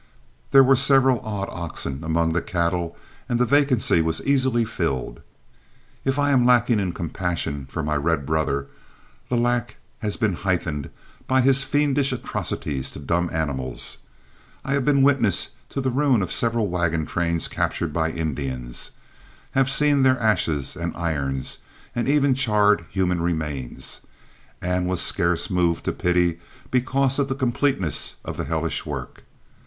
There were several odd oxen among the cattle and the vacancy was easily filled. If I am lacking in compassion for my red brother, the lack has been heightened by his fiendish atrocities to dumb animals. I have been witness to the ruin of several wagon trains captured by Indians, have seen their ashes and irons, and even charred human remains, and was scarce moved to pity because of the completeness of the hellish work.